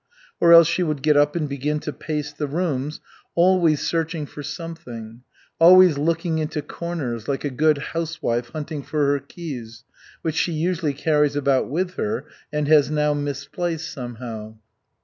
Or else she would get up and begin to pace the rooms, always searching for something; always looking into corners, like a good housewife hunting for her keys, which she usually carries about with her and has now misplaced somehow.